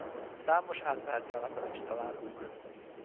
Számos átmeneti alakot is találunk.